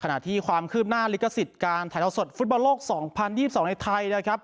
ขณะที่ความคืบหน้าลิขสิทธิ์การถ่ายเท้าสดฟุตบอลโลก๒๐๒๒ในไทยนะครับ